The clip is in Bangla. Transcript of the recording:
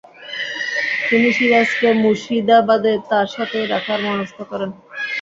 তিনি সিরাজকে মুর্শিদাবাদে তাঁর সাথেই রাখার মনস্থ করেন।